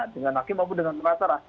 dengan hakim maupun dengan pengacara